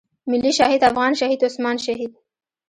ملي شهيد افغان شهيد عثمان شهيد.